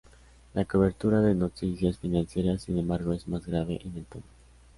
La cobertura de noticias financieras, sin embargo, es más grave en el tono.